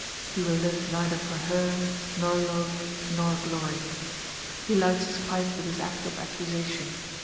he will live neither for her nor love nor glory. He lights his pipe with his act of accusation.